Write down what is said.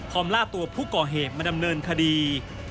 ล่าตัวผู้ก่อเหตุมาดำเนินคดี